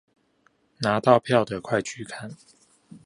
拿到票的快去看